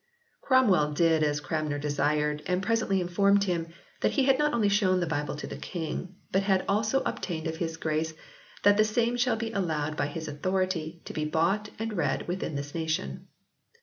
Cromwell did as Cranmer desired and presently informed him that he had not only shown the Bible to the King but had also "obtained of his grace that the same shall be allowed by his authority to be bought and read within this nation."